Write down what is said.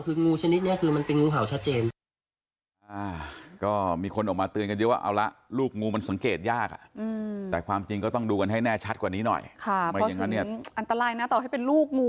คืองูชนิดนี้คือมันเป็นงูเห่าชัดเจน